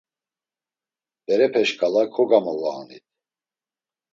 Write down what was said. Berepe şǩala kogamovaonit.